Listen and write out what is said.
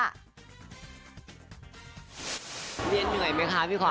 เรียนเหนื่อยไหมคะพี่ขอ